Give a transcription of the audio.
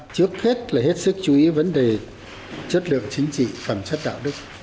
trước hết là hết sức chú ý vấn đề chất lượng chính trị phẩm chất đạo đức